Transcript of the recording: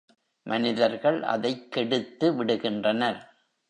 மனிதர்கள் அதைக் கெடுத்து விடுகின்றனர்.